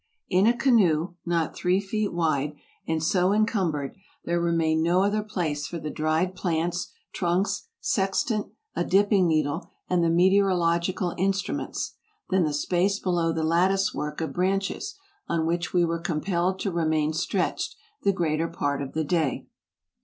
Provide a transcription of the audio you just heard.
In a canoe not three feet wide, and so encumbered, there remained no other place for the dried plants, trunks, sextant, a dipping needle, and the meteorological instru ments, than the space below the lattice work of branches, on which we were compelled to remain stretched the greater part of the day.